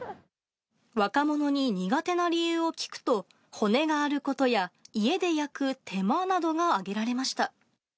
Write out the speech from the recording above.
若者に苦手な理由を聞くと、骨があることや、家で焼く手間などが挙げられました。